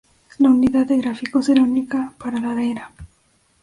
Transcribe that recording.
La unidad de gráficos era única para la era.